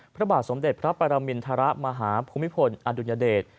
พระบาทสมเด็จพระปรมินทรมาหาภูมิพลอดุญเดช